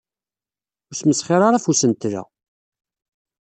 Ur smesxir ara ɣef usentel-a.